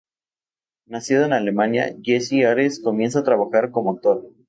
Nacido en Alemania, Jessy Ares comienza a trabajar como actor.